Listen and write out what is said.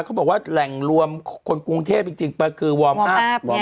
เขาบอกว่าแหล่งรวมคนกรุงเทพจริงคือวอร์มอัพอร์